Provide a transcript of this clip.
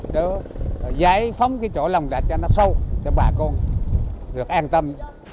để giải phóng cái chỗ lòng đạt cho nó sâu cho bà con được an tâm